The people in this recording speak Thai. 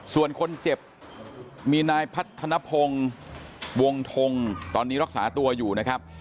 ส่วนคนเจ็บมีนายพัฒนภงวงทงตอนนี้รักษาตัวอยู่นะครับ